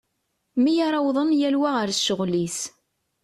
Mi ara wwḍen yal wa ɣer ccɣel-is.